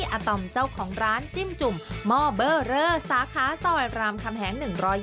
หรือพี่อาต่อมเจ้าของร้านจิ้มจุ่มหม้อเบอร์เรอร์สาขาซอแบบรามทำแหง๑๒๗